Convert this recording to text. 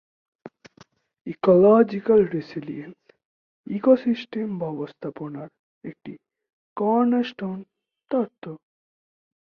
Ecological resilience ecosystem ব্যবস্থাপনার একটি cornerstone তত্ত্ব।